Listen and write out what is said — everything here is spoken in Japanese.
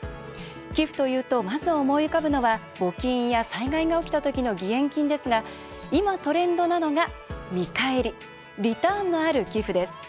寄付というとまず思い浮かぶのは募金や災害が起きた時の義援金ですが今、トレンドなのが見返り、リターンのある寄付です。